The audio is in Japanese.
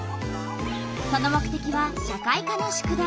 その目てきは社会科の宿題。